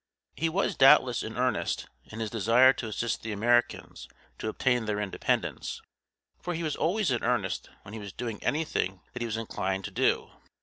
He was doubtless in earnest in his desire to assist the Americans to obtain their independence, for he was always in earnest when he was doing anything that he was inclined to do.